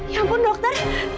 ya ampun dokter